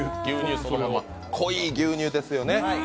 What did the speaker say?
濃い牛乳ですよね。